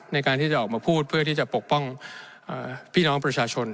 ในการที่จะออกมาพูดเพื่อที่จะปกป้องพี่น้องประชาชน